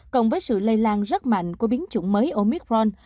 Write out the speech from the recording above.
cộng với sự lây lan rất mạnh của biến chủng mới omicron